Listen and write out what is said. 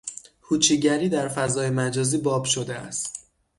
هوچیگری در فضای مجازی باب شده است